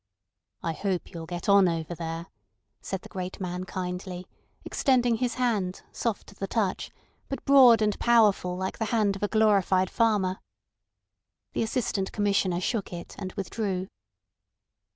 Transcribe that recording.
"I hope you'll get on over there," said the great man kindly, extending his hand, soft to the touch, but broad and powerful like the hand of a glorified farmer. The Assistant Commissioner shook it, and withdrew.